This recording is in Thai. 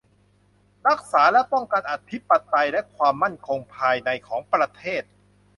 รักษาและป้องกันอธิปไตยและความมั่นคงภายในของประเทศ